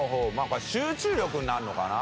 これは集中力になるのかな？